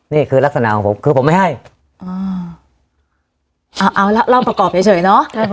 นี่คือลักษณะของผมคือผมไม่ให้อ๋อเอาเอาละเล่าประกอบเฉยเฉยเนอะ